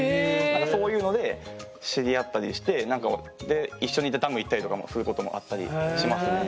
そういうので知り合ったりしてで一緒に行ってダム行ったりとかもすることもあったりしますね。